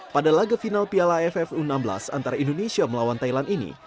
pada laga final piala aff u enam belas antara indonesia melawan thailand ini